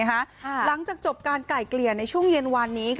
หลังจากจบการไก่เกลี่ยในช่วงเย็นวานนี้